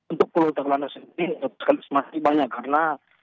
untuk pulau tagulandang sendiri pak sekalis masih banyak karena